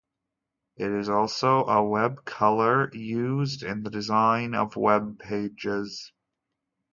It is also a web color used in the design of web pages.